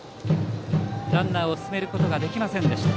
ランナーを進めることができませんでした。